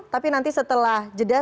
tapi nanti setelah jeda